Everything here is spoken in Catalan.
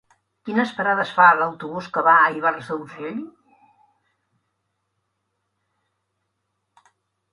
Quines parades fa l'autobús que va a Ivars d'Urgell?